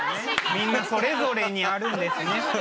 みんなそれぞれにあるんですね。